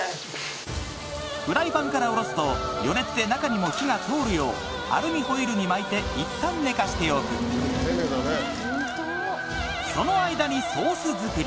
フライパンから下ろすと余熱で中にも火が通るようアルミホイルに巻いていったん寝かしておくその間にソース作り